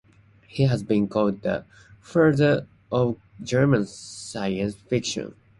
He has been called "the father of German science fiction".